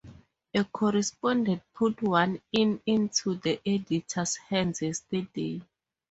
A correspondent put one in into the editor's hands yesterday.